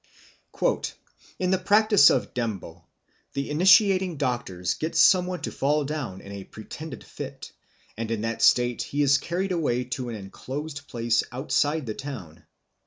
_ "In the practice of Ndembo the initiating doctors get some one to fall down in a pretended fit, and in that state he is carried away to an enclosed place outside the town.